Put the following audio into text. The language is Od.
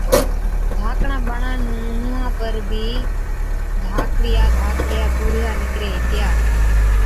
ڌاڪڙان ٻاڙان نُُون مُونها پر بِي ڌاڪڙِيا ڌاڪڙِيا گوڙهِيا نِڪري هِتِيا،